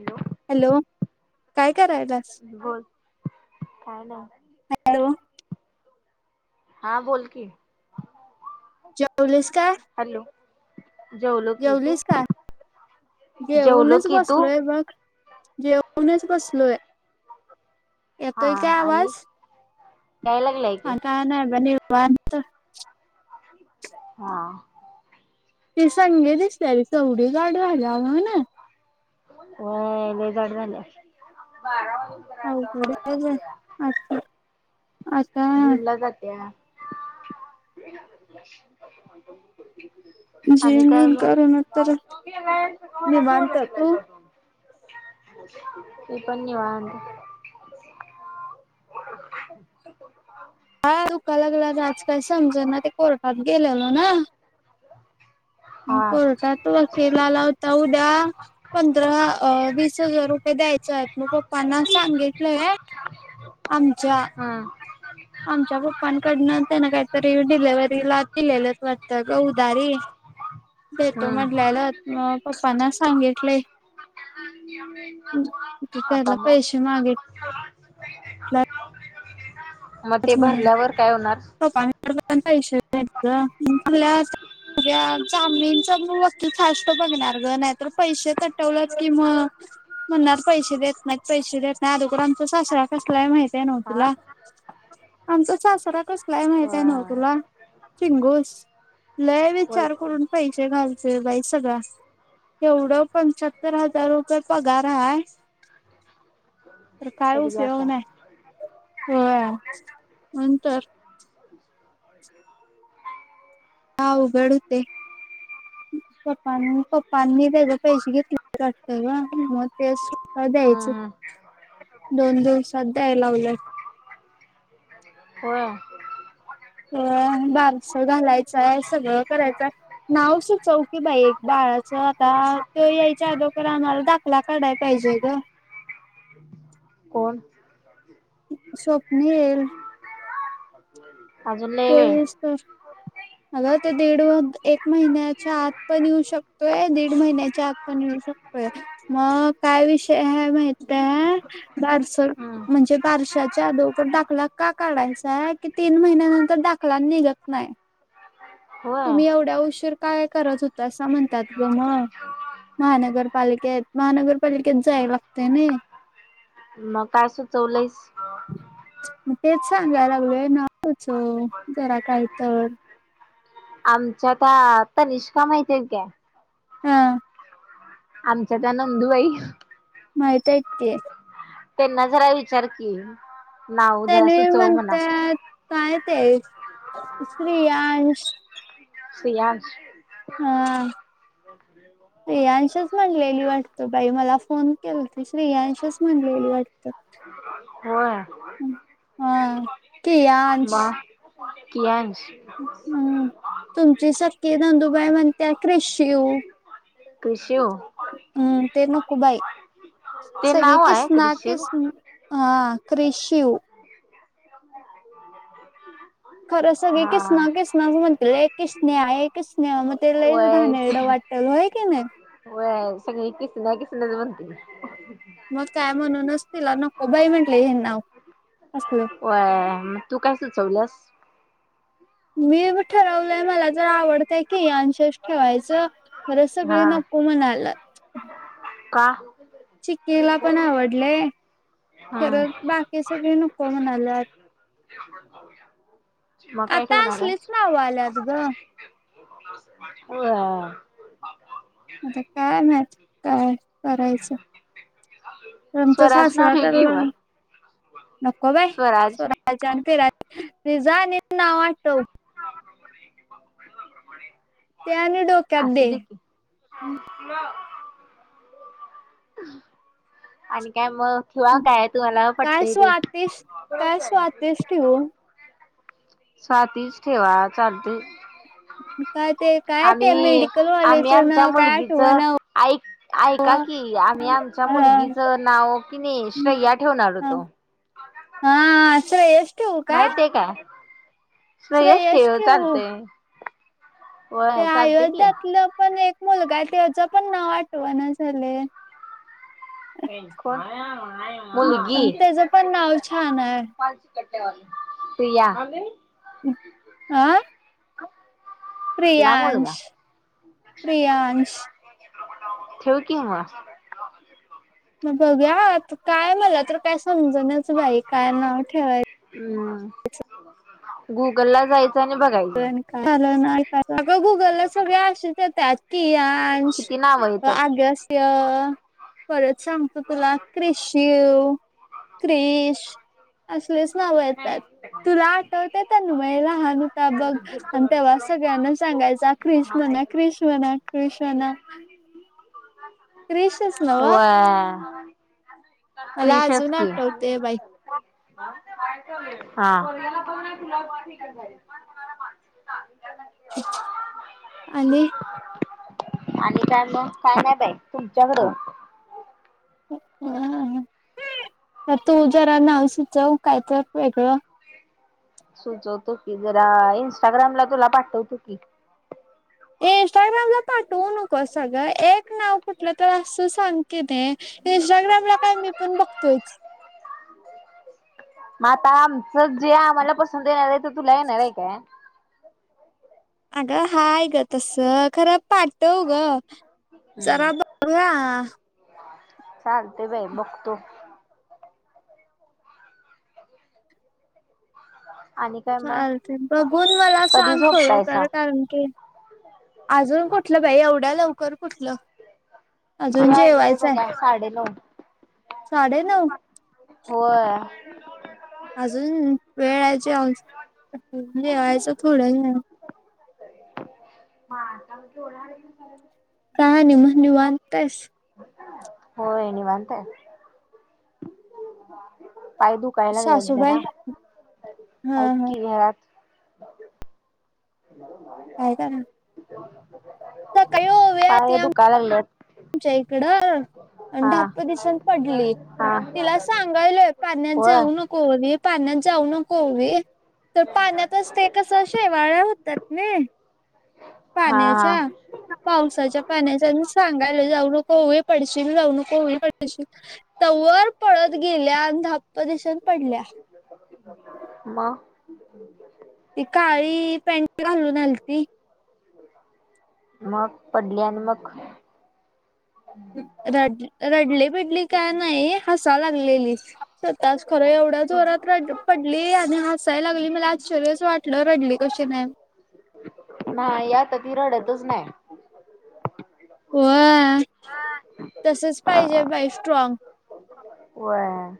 दूर [unintelligible] हॅलो, काय करायलाय? बोल, काय नाय. हॅलो. हा बोल की. जेवलीस काय? हॅलो! जेवलो की तू? का? जेवलो जेवूनच की तू बसलोय बघ,, जे उनच बसलोय, हा येतोय काय आणि आवाज? याय लागलाय की आण काय नाय बाय निवांत. हां. ती संगी दिसत्याली, केव्हढी जाड झाल्या व नाय. होय लय जाड झाल्या अवघडाय तिचं अता आता जीमला जात्या आणि जिम काय बिम मग, करून बाबा तर तू बी ये निवांत. तू? [unintelligible] मी पण निवांत. अं दुका लागल्या वर आज काय समजना ते कोर्टात गेलेलो ना मग हा कोर्टात वकील आला होता उद्या पंधरा अ वीस हजार रुपये द्यायचेय, मग पप्पांना सांगितलंय आमच्या. हम्म आमच्या पप्पांकडनं त्यांना काहीतरी डिलिव्हरीला दिलेलत वाटतं गं उधारी. देतो हम्म म्हटलेलंत, मग पप्पांना सांगितलय आता त्याला मग फ्लॅट [unintelligible] मग ते असं म्हणून, भरल्यावर काय होणार पप्पांकडं पण पैसे नाहीत गं, मग तुला म्हणजे जामीनचा वकील फास्ट बघणार गं, नाहीतर पैसे तटवलं की मग म्हणणार पैशे देत नाहीत पैशे देत नाहीत आदोकरांचा सासरा कसला आहे माहितीये ना हो हा तुला आमचा सासरा कसला आहे माहिती ना हो होय तुला चिंगूस लई वी चार होयच की करून पैशे घालतोय बाई सगळा. एवढ पंच्याहत्तर हजार रुपये पगार हाय तर काय तरी बस उपयोग आहे नाय होय म्हणून तर अवघड होते. पप्पांनी पप्पांनी तेज्या पैशे घेतले वाटतं गं मग ते सुद्धा द्यायचं. हा. दोन दिवसात द्याय लावल्या. होय. होय आणि बारसं घालायचंय सगळं करायचय नाव सुचव की बाई एक बाळाचं आता तो यायच्या आदोकार आम्हाला दा खला काढाय पाहिजे गं. कोण स्वप्निल. अजून लय त्यो वेळ येऊस तर अगं ते दीड व एक महिन्याचा आत पण येऊ शकतोय दीड महिन्याच्या आत पण येऊ शकतोय मग काय विषय हाय माहिती आहे दारसर हम्म म्हणजे बारशाच्या आदोगर दाखला का काढायचाय की तीन महिन्यानं तर दाखला निघत नाय. होय तुम्ही एवढ्या उशीर काय करत होता असं म्हणतात गं म. महानगरपालिकेत महानगरपालिकेत जाय लागते नय. मग का सुचवल्यास? म तेच सांगाय लागलोय नाव सुचव जरा काय तर. आमच्या त्या तनिष्का माहिती आहे काय. हां. आमच्या त्या नंदूबाई माहितेयत ते त्यांना जरा विचार की. नाव जरा त्यानी वी सुचव म्हणा. म्हणत्यात काय ते क्रीयान्श सिलांश हां. [unintelligible] क्रियांशच म्हणलेली वाटतं बाई मला फोन केलती श्रेयांश म्हणलेली वाटतं. होय. हम्म हा. कियांश म कियांश म तुमची सखी नंदुबाई म्हणते क्रिशिव. क्रिशिव हम्म ते नको बाई ते सगळे नाव आहे किसना क्रिशिव किस हा क्रिशिव खरं सगळे हा. किसना किसनाच म्हणते ए किसन्या ए किसन्या म लईच व्हय घाणेड वाट टेल होय की नाही. हाव सगळी किसना किसनाच म्हणतील. मग काय म्हणूनच तिला नको बाई म्हंटले हे नाव असलं. होय म तू काय सुचवलस मी ठरवलंय मला जर आवडतय कियांशच ठेवायचं खरं सगळे हा नको म्हणाल्यात का चिक्कीला पण आवडलय खरं हम्म बाकी सगळे नको म्हणाल्यात ते आपण पाहूया आता असलीच नाव आल्यात ग अ आता काय माहित काय करायचं आमचा स्वराज नाव सासरा ठेव की कडला मग. नको बाई स्वराज आणि पिराज ते जा आणि नाव आठव त्या आणि डो असू दे की आणि काय म ठिवा काय तुम्हाला पट्तय ते तेच ठेऊ स्वातीच् ठेवा चालतंय काय ते काय आमी ते मेडिकल आम्ही वालेचं आमच्या नाव काय मुलगीच आठवना ऐक ऐका की आम्ही आम- च्या ओ मुलगीचं नाव किनी हा श्रेया ठेवणार होतो हा श्रेयश ठेवू काय माहितेय काय सुयश श्रेयश ठेव ठेवू चालते ते अयोध्यातलं पण एक मुलगा हाय त्याचं पण नाव आठवणा झालय कोण मुलगी त्याच पण नाव छान आहे कट प्रिया आणि आं मुलगा प्रियांश प्रियांश ठेव कि म म बघूया आता काय मला तर काय समजणच बाई काय नाव ठेवायच हू गुगल ला जाय च आणि बघाय च आणि काय अगं गुगलला सगळे अशेच येत्यात कियांश किती नाव येतात आगस्य परत सांगतो तुला क्रि शिव क्रिश असलेच नाव येतात तुला आठवते तन्मय लहान अ बघ आणि तेव्हा सगळ्यांना सांगायचा क्रिश म्हणा क्रिश म्हणा क्रिश म्हणा क्रिश च नव हा मला अजून आठवते बाई काय चालू हाय हा पोरग्याला पाठवत नाही तुला पाठवितात बाहेर आणि आणि काय मग काय नाही बाई तुमच्याकड हा तू जरा नाव सुचव काय तर वेगळं सुचवतो की जरा इंस्टाग्रामला तुला पाठवतो की इंस्टाग्रामला पाठवू नकोस अगं एक नाव कुठलं तर असं सांग ते इंस्टाग्राम ला काय मी पण बघतोयच म आता आमचं जे आम्हाला पसंद येणार हाय ते तुला येणार हाय काय अगं हाय ग तस खर पाठ- ठव ग हम्म जरा [unintelligible] चालते बाई बघतो. आणि काय मग चालते बघून मला कधी सांग खरोखर झोपतायसा कारण की अजून कुठलं बाई एवढ्या लवकर कुठलं. अजून किती वाजले जेवायचं आहे बघा साडे नऊ साडे नऊ होय. अजून वेळ आहे जेवायची जेवायचं थोडं जेवायचं. [unintelligible] काय नाही मग निवांत आहेस. होय निवांत आहे. पाय दुख दुखाय लागलं सासूबाई जरा हा आहेत हा कि घरात. ह ऐका ना. पाय दुखाय लागलेत. तुमच्या इकडं आण ढापं दिशीन पडले. हा तिला सांगायलोय पाण्यात होय जाऊ नको ओवी पाण्यात जाऊ नको ओवी. तर पाण्यातच ते कस शेवाळ होतात नाही. हा हा पाण्याच्या पावसाच्या पाण्याच्या आणि सांग य जाऊ नको ओवी पडशील जाऊ नकोओवी पडशील. तवर पळत गेल्या आणि धाप्प दिशीन पडल्या. ह मग ती काळी पॅन्ट घालून आल ती मग पडली आणि मग रड-रडली बिडली काय नाही हसाय लागलेली. स्वतःच खरं एवढ्या जोरात रड पडली आणि हासायला लागली मला आश्चर्यच वाटलं रडली कशी नाही. नाही आता ती रडतच नाही. व्हय तसच पाहिजे बाई स्ट्रॉग. व्हय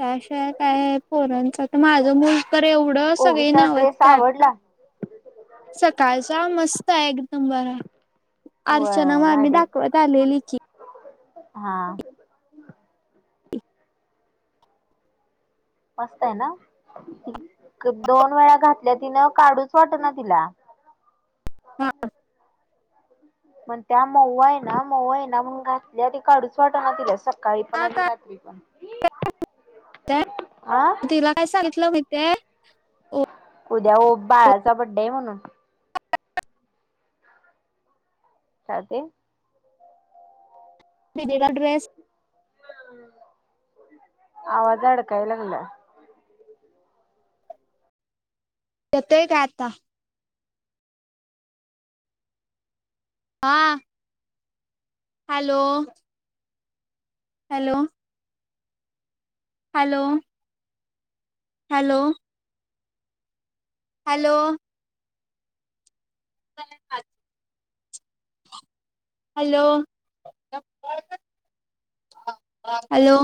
कॅश काय काय पोरांचं तर माझं मूल तर एवढं सगळी ओवीचा ड्रेस नावजतात. आवडला सकाळचा मस्त आहे एकदम बरा अर्चना व्हय मामी भारी दाखवत आलेली की. हा. मस्त हेना दोन वेळा घातल्या तिनं काढूच वाटत ना तिला. हा. म्हणत्या मऊ आहे ना मऊ आहे ना म्हणून घातल्या त काढूच वाटन तिला स सकाळी पण हा आणि रात्री पण काय हा तिला काय सांगितलं माहितय आहे. उद्या ओम बाळाचा बड्डे आहे म्हणत होती. काय ते दिदीला ड्रेस आवाज अडकाय लांगलाय. येतोय काय आता? हा hello! Hello! Hello! Hello! Hello! पाच हॅलो!.... [inaudible] हॅलो!